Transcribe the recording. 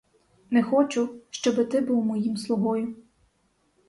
Не хочу, щоби ти був моїм слугою.